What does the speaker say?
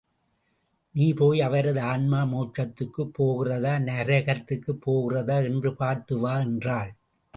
நீ போய் அவரது ஆன்மா மோட்சத்துக்குப் போகிறதா—நரகத்துக்குப் போகிறதா என்று பார்த்து வா என்றாள்.